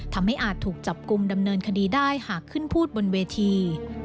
อาจถูกจับกลุ่มดำเนินคดีได้หากขึ้นพูดบนเวที